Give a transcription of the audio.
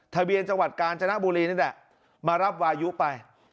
ทะเบียนจังหวัดกาญจนบุรีนี่แหละมารับวายุไป